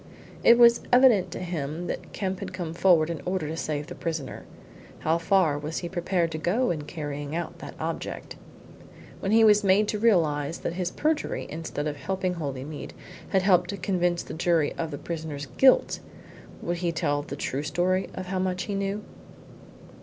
It was evident to him that Kemp had come forward in order to save the prisoner. How far was he prepared to go in carrying out that object? When he was made to realise that his perjury, instead of helping Holymead, had helped to convince the jury of the prisoner's guilt, would he tell the true story of how much he knew?